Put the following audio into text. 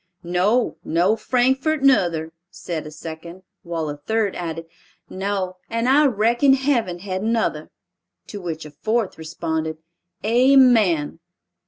"No, nor Frankfort nuther," said a second. While a third added, "No, and I reckon heaven hadn't nuther!" To which a fourth responded, "Amen."